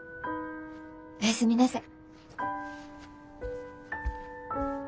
おやすみなさい。